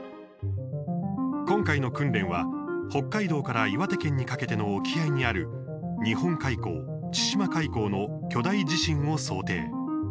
今回の訓練は、北海道から岩手県にかけての沖合にある日本海溝・千島海溝の巨大地震を想定。